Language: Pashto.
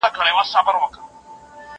زه به اوږده موده سندري اورېدلي وم!.